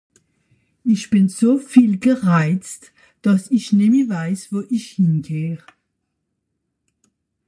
Isch bin so viel gereist, dass i nemme weiss, wo isch hingehöre